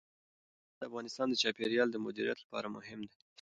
تاریخ د افغانستان د چاپیریال د مدیریت لپاره مهم دي.